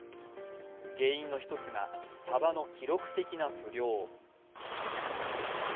原因の１つがさばの記録的な不漁。